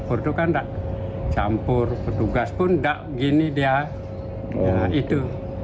dapur itu kan nggak campur petugas pun nggak gini dia ya itu